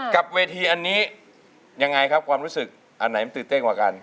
กับเวทีอันนี้ยังไงครับความรู้สึกอันไหนมันตื่นเต้นกว่ากัน